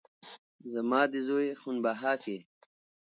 زما د زوى خون بها کې